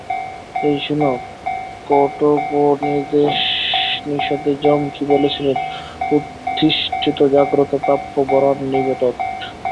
এই শোন্, কঠোপনিষদে যম কি বলেছেন উত্তিষ্ঠত জাগ্রত প্রাপ্য বরান নিবোধত।